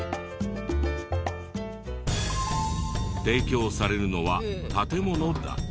提供されるのは建物だけ。